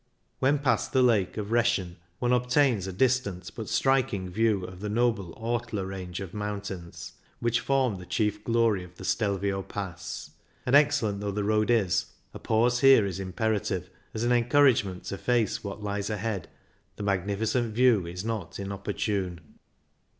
When past the lake of Reschen, one obtains a distant but striking view of the noble Ortler range of mountains which form the chief glory of the Stelvio Pass, and, excellent though the road is, a pause here is imperative ; as an encourage ment to face what lies ahead the magnifi cent view is not inopportune.